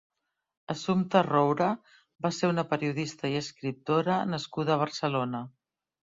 Assumpta Roura va ser una periodista i escriptora nascuda a Barcelona.